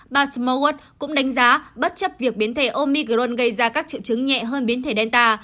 basmoward cũng đánh giá bất chấp việc biến thể omicron gây ra các triệu chứng nhẹ hơn biến thể delta